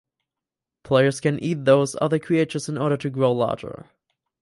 Players can eat these other creatures in order to grow larger.